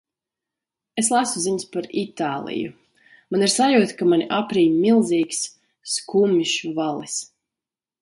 Es lasu ziņas par Itāliju. man ir sajūta, ka mani aprij milzīgs, skumjš valis.